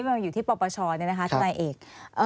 มันอยู่ที่ปปชเนี่ยนะคะทนายเอก